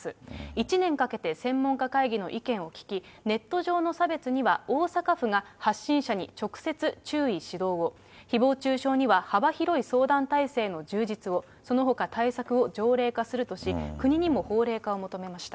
１年かけて専門家会議の意見を聞き、ネット上の差別には大阪府が発信者に直接注意指導を、ひぼう中傷には幅広い相談体制の充実を、そのほか対策を条例化するとし、国にも法令化を求めました。